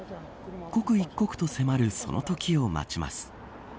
刻一刻と迫るそのときを待ちます。